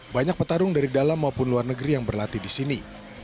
banyak petarung dari dalam maupun luar negeri yang berlatih di sini